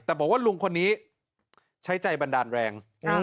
แต่บอกว่าลุงคนนี้ใช้ใจบันดาลแรง